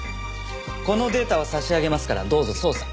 このデータを差し上げますからどうぞ捜査。